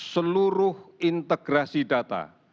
seluruh integrasi data